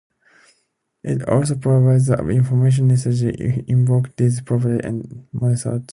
It also provides the information necessary to invoke these properties and methods.